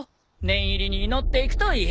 念入りに祈っていくといい。